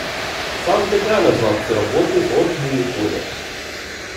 Сам Дега назвав ці роботи оргією кольору.